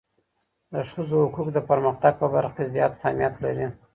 د ښځو حقوق د پرمختګ په برخه کي زیات اهمیت لري.